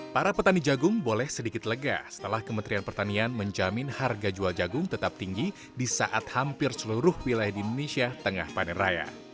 para petani jagung boleh sedikit lega setelah kementerian pertanian menjamin harga jual jagung tetap tinggi di saat hampir seluruh wilayah di indonesia tengah panen raya